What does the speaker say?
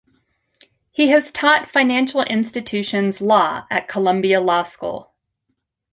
He has taught financial institutions law at Columbia Law School.